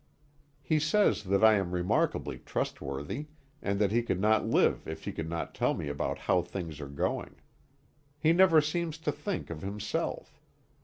He says that I am remarkably trustworthy, and that he could not live if he could not tell me about how things are going. He never seems to think of himself.